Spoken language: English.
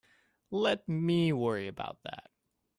Let me worry about that.